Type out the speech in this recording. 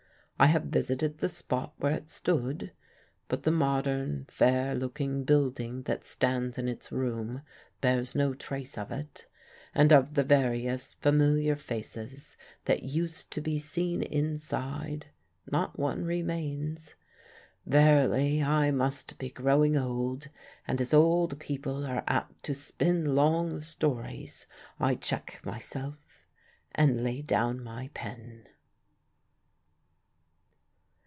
I have visited the spot where it stood, but the modern, fair looking building that stands in its room bears no trace of it; and of the various familiar faces that used to be seen inside, not one remains. Verily, I must be growing old; and as old people are apt to spin long stories, I check myself, and lay down my pen.